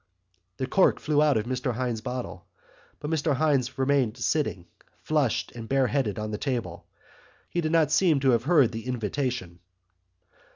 Pok! The cork flew out of Mr Hynes' bottle, but Mr Hynes remained sitting flushed and bareheaded on the table. He did not seem to have heard the invitation.